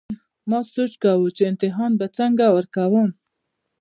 ما سوچ کوو چې امتحان به څنګه ورکوم